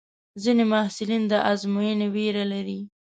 ځینې محصلین د ازموینې وېره لري.